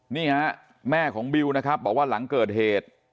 นี่ฮะแม่ของบิวนะครับบอกว่าหลังเกิดเหตุ